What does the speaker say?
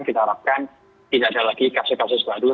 kita harapkan tidak ada lagi kasus kasus baru